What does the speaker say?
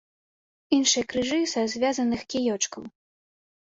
Іншыя крыжы са звязаных кіёчкаў.